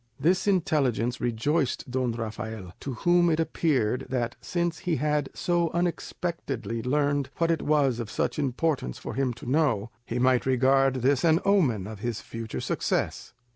This intelligence rejoiced Don Rafael, to whom it appeared that since he had so unexpectedly learned what it was of such importance for him to know, he might regard this an omen of his future success.